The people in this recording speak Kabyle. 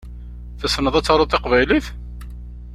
Tessneḍ ad taruḍ taqbaylit?